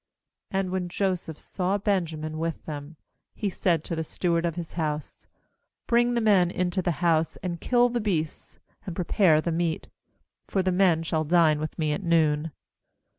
16And when Joseph saw Benjamin with them, he said to the steward of his house : 'Bring the meninto the house, and kill the beasts, and prepare the meat; for the men shall dine with me at noon.'